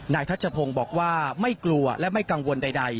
ทัชพงศ์บอกว่าไม่กลัวและไม่กังวลใด